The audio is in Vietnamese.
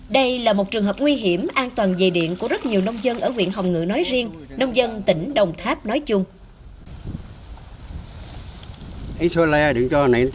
đây là một trường hợp nguy hiểm an toàn về điện của rất nhiều nông dân ở huyện hồng ngự nói riêng nông dân tỉnh đồng tháp nói chung